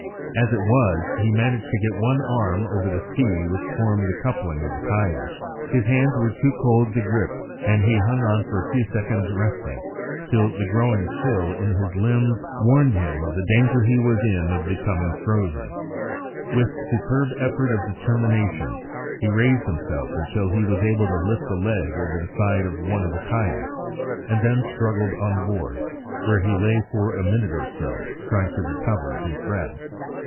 As it was, he managed to get one arm over the ski which formed the coupling between the kayaks. His hands were too cold to grip and he hung for a few seconds resting, till the growing chill in his limbs warned him of the danger he was in of becoming frozen. With a superb effort of determination, he raised himself until he was able to lift a leg over the side of one of the kayaks, and then struggled on board, where he lay for a minute or so trying to recover his breath.